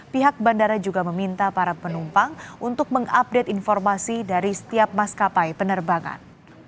pihak bandara juga meminta para penumpang untuk mengupdate informasi dari setiap maskapai penerbangan